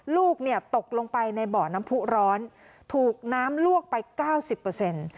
ลูกเนี่ยตกลงไปในบ่อน้ำผู้ร้อนถูกน้ำลวกไปเก้าสิบเปอร์เซ็นต์